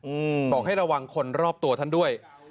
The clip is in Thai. อืมบอกให้ระวังคนรอบตัวท่านด้วย